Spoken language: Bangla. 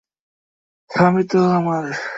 আমি তো আমার।